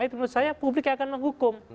itu menurut saya publik yang akan menghukum